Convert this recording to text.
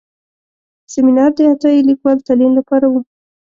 سیمینار د عطایي لیکوال تلین لپاره و.